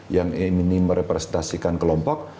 yang ini merepresentasikan kelompok